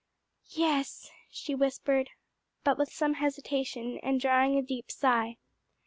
"Yes," she whispered, but with some hesitation, and drawing a deep sigh.